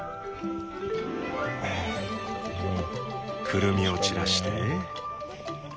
くるみを散らして。